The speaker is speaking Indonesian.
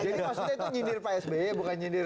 jadi maksudnya itu nyindir pak sby bukan nyindir